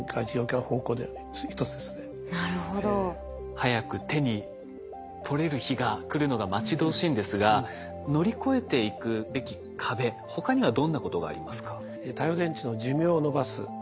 早く手に取れる日が来るのが待ち遠しいんですが乗り越えていくべき壁他にはどんなことがありますか？